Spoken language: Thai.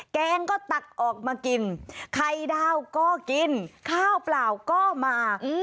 แกงก็ตักออกมากินไข่ดาวก็กินข้าวเปล่าก็มา